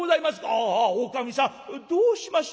「ああおかみさんどうしました？